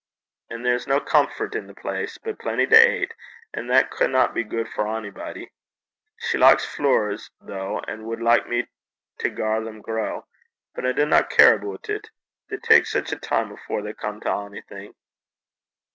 An' there's no comfort i' the place but plenty to ate; an' that canna be guid for onybody. She likes flooers, though, an' wad like me to gar them grow; but I dinna care aboot it: they tak sic a time afore they come to onything.'